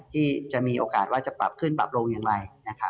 ที่จะมีโอกาสว่าจะปรับขึ้นปรับลงอย่างไร